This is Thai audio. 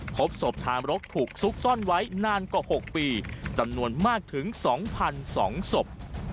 พบศพทารกถูกซุกซ่อนไว้นานกว่าหกปีจำนวนมากถึงสองพันสองศพ